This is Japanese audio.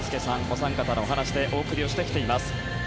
お三方のお話でお送りしてきています。